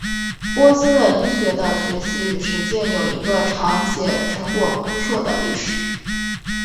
波斯的医学的学习与实施有一个长且成果丰硕的历史。